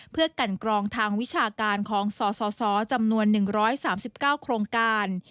เพื่อกันกรองทางวิชาการของสสจำนวน๑๓๙โครงการ